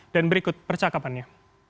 dan berikut percakapannya